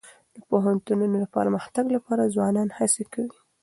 د پوهنتونونو د پرمختګ لپاره ځوانان هڅي کوي.